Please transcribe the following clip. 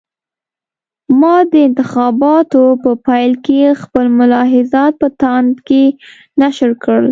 ما د انتخاباتو په پیل کې خپل ملاحضات په تاند کې نشر کړل.